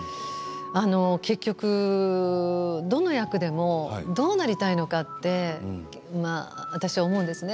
結局どの役でもどうなりたいのかって私は思うんですね。